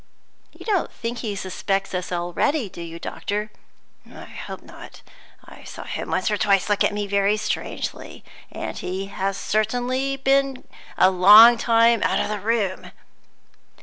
"You don't think he suspects us already, do you, doctor?" "I hope not. I saw him once or twice look at me very strangely; and he has certainly been a long time out of the room."